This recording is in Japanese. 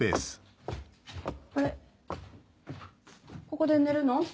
ここで寝るの？